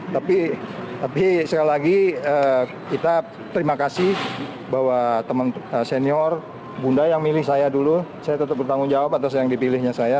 tapi sekali lagi kita terima kasih bahwa teman senior bunda yang milih saya dulu saya tetap bertanggung jawab atas yang dipilihnya saya